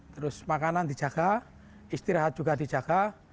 terus makanan dijaga istirahat juga dijaga